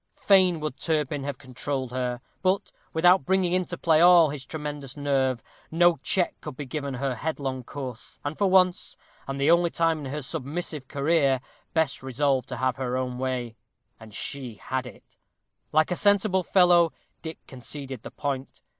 Fain would Turpin have controlled her; but, without bringing into play all his tremendous nerve, no check could be given her headlong course, and for once, and the only time in her submissive career, Bess resolved to have her own way and she had it. Like a sensible fellow, Dick conceded the point.